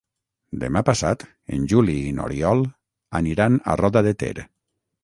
Demà passat en Juli i n'Oriol aniran a Roda de Ter.